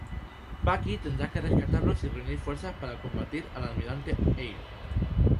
Bucky tendrá que rescatarlos y reunir fuerzas para combatir al Almirante Air.